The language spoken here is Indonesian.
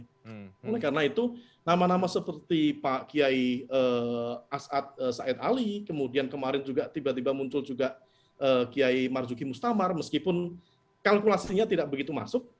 oleh karena itu nama nama seperti pak kiai ⁇ asad ⁇ said ali kemudian kemarin juga tiba tiba muncul juga kiai marzuki mustamar meskipun kalkulasinya tidak begitu masuk